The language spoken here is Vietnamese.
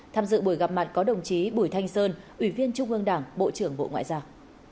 tham dự buổi gặp mặt có đồng chí bùi thanh sơn ủy viên trung ương đảng bộ trưởng bộ ngoại giao